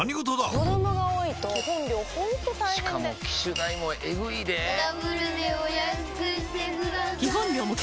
子供が多いと基本料ほんと大変でしかも機種代もエグいでぇダブルでお安くしてください